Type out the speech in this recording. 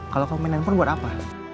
kalau kamu main handphone buat apa